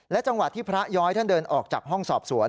จังหวะที่พระย้อยท่านเดินออกจากห้องสอบสวน